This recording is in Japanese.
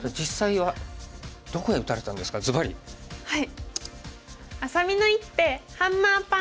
はい。